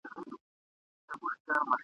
انګرېزی لښکر مات سو.